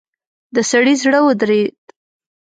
د سړي زړه ودرېد.